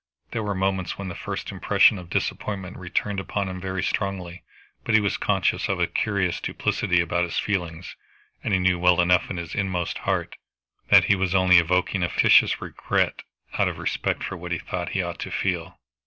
There were moments when the first impression of disappointment returned upon him very strongly, but he was conscious of a curious duplicity about his feelings, and he knew well enough in his inmost heart that he was only evoking a fictitious regret out of respect for what he thought he ought to feel.